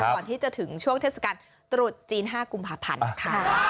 ก่อนที่จะถึงช่วงเทศกาลตรุษจีน๕กุมภาพันธ์นะคะ